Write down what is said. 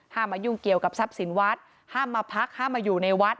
มายุ่งเกี่ยวกับทรัพย์สินวัดห้ามมาพักห้ามมาอยู่ในวัด